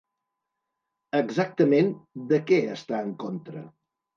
Exactament, de què està en contra?